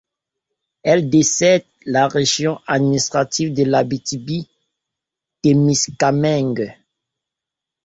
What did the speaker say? Elle dessert la région administrative de l'Abitibi-Témiscamingue.